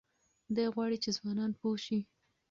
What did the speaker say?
دی غواړي چې ځوانان پوه شي.